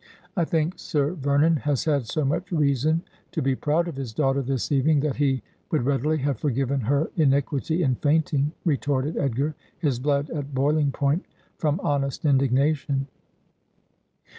' I think Sir Vernon has had so much reason to be proud of his daughter this evening that he would readily have forgiven her iniquity in fainting,' retorted Edgar, his blood at boiling point from honest indignation.